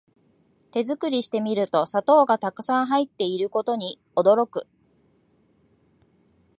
手作りしてみると砂糖がたくさん入ってることに驚く